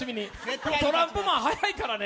トランプマン速いからね。